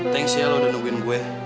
thanks ya lo udah nungguin gue